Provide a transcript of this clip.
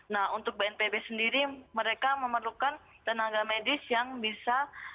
nah untuk bnpb sendiri mereka memerlukan tenaga medis yang bisa